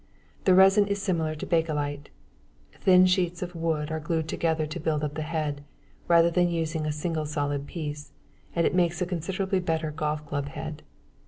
The resin is similar to Bakelite. Thin sheets of wood are glued together to build up the head, rather than using a single solid piece, and it makes a considerably better golf club head.